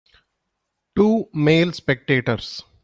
Two male spectators